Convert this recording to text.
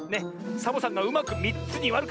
サボさんがうまく３つにわるから！